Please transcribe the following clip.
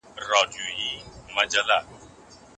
دغه بحث ته باید دوام ورکړل سي.